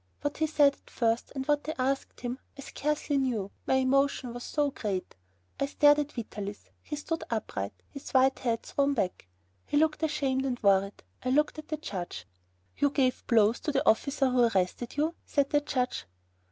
What he said at first, and what they asked him, I scarcely knew, my emotion was so great. I stared at Vitalis; he stood upright, his white head thrown back. He looked ashamed and worried. I looked at the judge. "You gave blows to the officer who arrested you," said the judge.